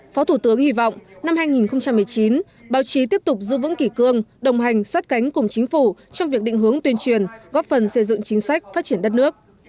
phó thủ tướng hy vọng năm hai nghìn một mươi chín báo chí tiếp tục giữ vững kỷ cương đồng hành sát cánh cùng chính phủ trong việc định hướng tuyên truyền góp phần xây dựng chính sách phát triển đất nước